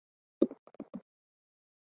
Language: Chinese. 看着他对着一个布包跪拜和痛苦呻吟。